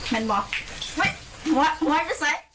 แม่นบอก